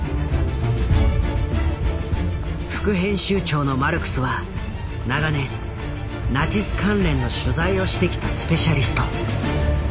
副編集長のマルクスは長年ナチス関連の取材をしてきたスペシャリスト。